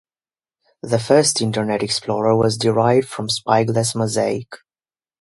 The first Internet Explorer was derived from Spyglass Mosaic.